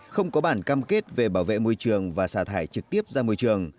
không có bản cam kết về bảo vệ môi trường và xả thải trực tiếp ra môi trường